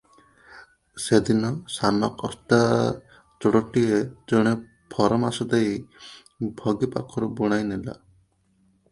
ସେଦିନ ସାନ କସ୍ତା ଯୋଡ଼ଟିଏ ଜଣେ ଫରମାସ ଦେଇ ଭଗି ପାଖରୁ ବୁଣାଇ ନେଲା ।